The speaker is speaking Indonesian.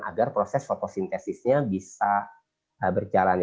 agar proses fotosintesisnya bisa berjalan